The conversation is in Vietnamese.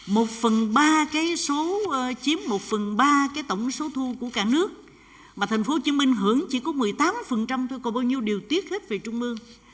một phần ba cái số chiếm một phần ba cái tổng số thu của cả nước mà thành phố hồ chí minh hưởng chỉ có một mươi tám thôi còn bao nhiêu đều tuyết hết về trung ương